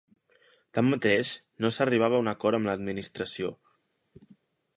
Tanmateix, no s'arribava a un acord amb l'administració.